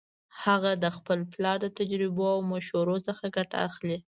هغه د خپل پلار د تجربو او مشورو څخه ګټه اخلي